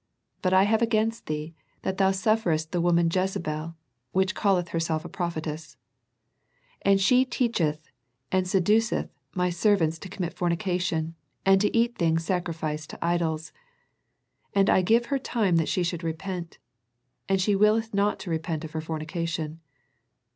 But I have against thee, that thou sufferest the woman Jezebel, which calleth herself a prophetess; and she teacheth and seduceth My servants to commit fornication, and to eat things sacrificed to idols. And I gave her time that she should repent; and she willeth not to repent of her fornication.